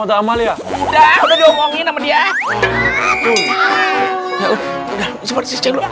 udah amalia udah udah ngomongin sama dia ya udah udah seperti cek ya allah neng